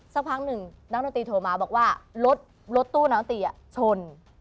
สักพักหนึ่งนักหน้าตีโทรมาบอกว่ารถรถตู้น้าตีอ่ะชน